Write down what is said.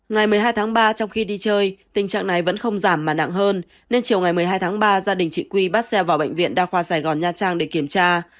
ngày một mươi hai tháng ba trong khi đi chơi tình trạng này vẫn không giảm mà nặng hơn nên chiều ngày một mươi hai tháng ba gia đình chị quy bắt xe vào bệnh viện đa khoa sài gòn nha trang để kiểm tra